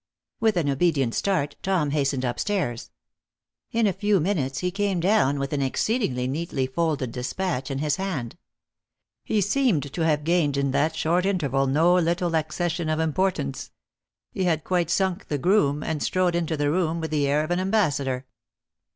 With an obedient start, Tom hastened np stairs. In a few minutes, he came down with an exceedingly neatly folded despatch in his hand. lie seemed to have gained in that short interval no little accession of importance. He had quite sunk the groom, and strode into the room with the air of an ambassador.